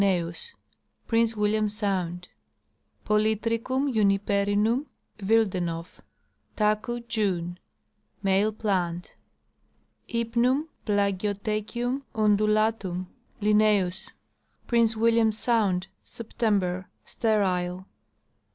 Prince William sound. Polytrichum jimiperinum, WiWd. Taku, June. Male plant. Hijpnum {Plagiothecium) undulatum, L. Prince William sound, September. Sterile.